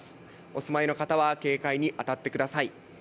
お住まいの方は警戒に当たってください。